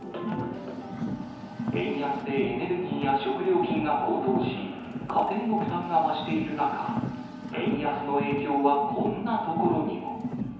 円安でエネルギーや食料品が高騰し、家庭の負担が増している中、円安の影響はこんなところにも。